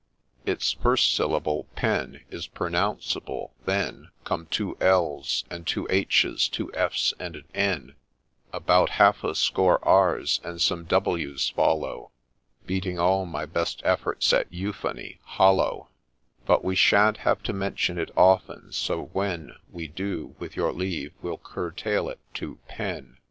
..';.' Its first syllable 'PEN,' Is pronounceable ;— then Come two L Ls, and two H Hs, two F Fs, and an N ; About half a acore Rs, and some Ws follow, Beating all my best efforts at euphony hollow : But we shan't have to mention it often, so when We do, with your leave, we'll curtail it to ' PEN.'